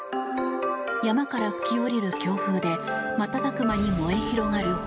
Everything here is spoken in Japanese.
山から吹き下りる強風で瞬く間に燃え広がる炎。